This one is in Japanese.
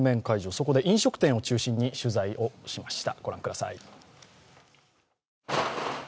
そこで飲食店を中心に取材しました。